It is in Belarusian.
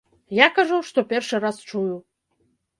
Я кажу, што першы раз чую.